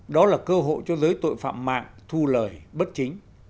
đó là cơ hội cho giới tội phạm mạng thu lời bất chính